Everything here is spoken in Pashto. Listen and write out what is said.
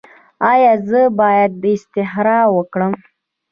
ایا زه باید استراحت وکړم؟